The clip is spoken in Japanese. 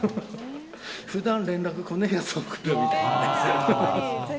ふだん連絡来ないやつから来るみたいな。